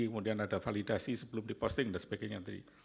kemudian ada validasi sebelum diposting dan sebagainya